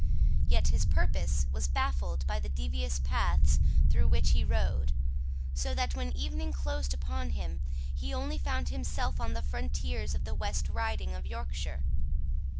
Yet his purpose was baffled by the devious paths through which he rode, so that when evening closed upon him, he only found himself on the frontiers of the West Riding of Yorkshire.